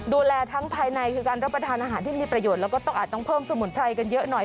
ดูแลทั้งภายในคือการรับประทานอาหารที่มีประโยชน์แล้วก็ต้องอาจต้องเพิ่มสมุนไพรกันเยอะหน่อย